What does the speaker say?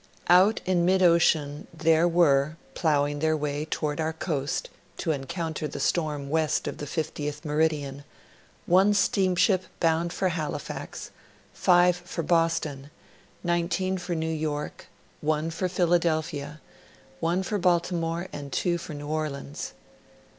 Out in mid ocean there were plowing their way toward our coast, to encounter the storm west of the 50th meridian, one steamship bound for Halifax, five for Boston, nineteen for New York, one for Philadelphia, one for Baltimore, and two for New Orleans.